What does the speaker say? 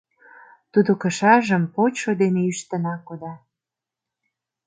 Тудо кышажым почшо дене ӱштынак кода.